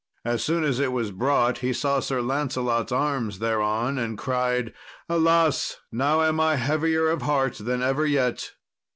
As soon as it was brought he saw Sir Lancelot's arms thereon, and cried, "Alas! now am I heavier of heart than ever yet."